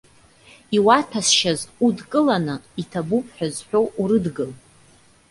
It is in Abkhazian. Иуаҭәасшьаз удкыланы иҭабуп ҳәа зҳәо урыдгыл.